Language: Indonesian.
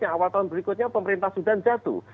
awal tahun berikutnya pemerintah sudan jatuh